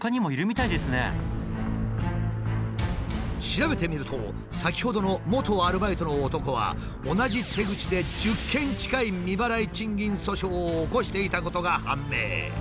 調べてみると先ほどの元アルバイトの男は同じ手口で１０件近い未払い賃金訴訟を起こしていたことが判明。